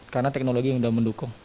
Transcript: karena teknologi yang sudah mendukung